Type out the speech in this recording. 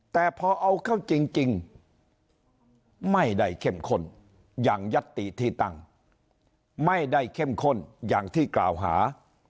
แต่พอเอาเข้าจริงไม่ได้เข้มข้นอย่างยัตติที่ตั้งไม่ได้เข้มข้นอย่างที่กล่าวหา